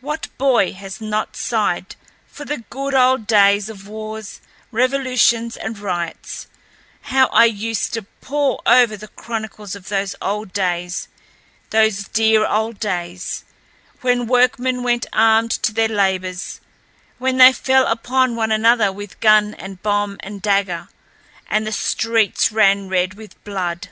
What boy has not sighed for the good old days of wars, revolutions, and riots; how I used to pore over the chronicles of those old days, those dear old days, when workmen went armed to their labors; when they fell upon one another with gun and bomb and dagger, and the streets ran red with blood!